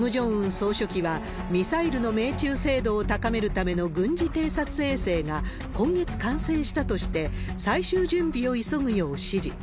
総書記は、ミサイルの命中精度を高めるための軍事偵察衛星が今月完成したとして、最終準備を急ぐよう指示。